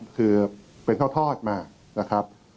และการแสดงสมบัติของแคนดิเดตนายกนะครับ